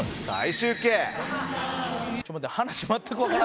えっちょっと待って。